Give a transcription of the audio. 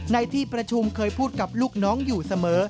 ในที่ประชุมเคยพูดกับลูกน้องอยู่เสมอ